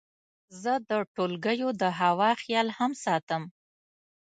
زه د ټولګیو د هوا خیال هم ساتم.